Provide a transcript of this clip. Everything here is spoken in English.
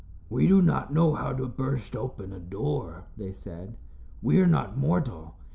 "We do not know how to burst open a door," they said. "We are not mortal.